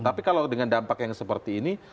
tapi kalau dengan dampak yang seperti ini